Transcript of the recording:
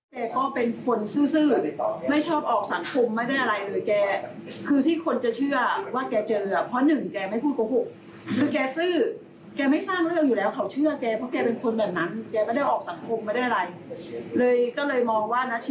แต่เนี่ยมันประมวลนะเราว่าแกเจอน้ากากนี้ไหม